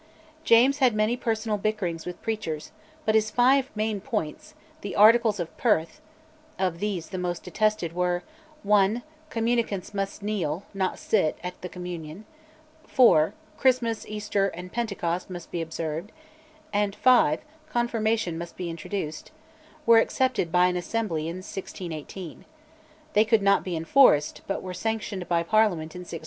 James had many personal bickerings with preachers, but his five main points, "The Articles of Perth" (of these the most detested were: (1) Communicants must kneel, not sit, at the Communion; (4) Christmas, Easter, and Pentecost must be observed; and (5) Confirmation must be introduced), were accepted by an Assembly in 1618. They could not be enforced, but were sanctioned by Parliament in 1621.